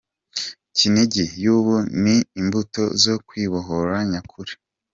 Kinigi y’ubu ni imbuto zo kwibohora nyakuri.